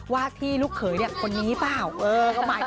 ว่าที่ลูกเขยเนี่ยคนนี้เปล่า